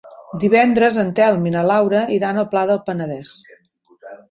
Divendres en Telm i na Laura iran al Pla del Penedès.